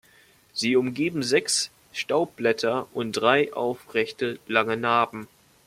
Sie umgeben sechs Staubblätter und drei aufrechte lange Narben.